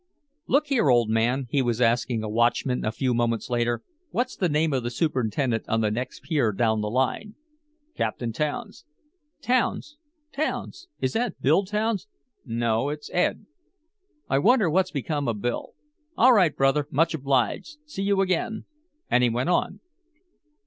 "Look here, old man," he was asking a watchman a few moments later. "What's the name of the superintendent on the next pier down the line!" "Captain Townes." "Townes, Townes? Is that Bill Townes?" "No, it's Ed." "I wonder what's become of Bill. All right, brother, much obliged. See you again." And he went on.